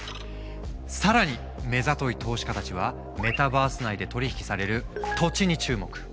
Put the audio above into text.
更に目ざとい投資家たちはメタバース内で取り引きされる土地に注目。